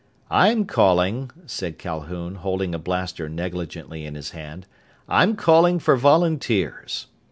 "I'm calling," said Calhoun, holding a blaster negligently in his hand, "I'm calling for volunteers.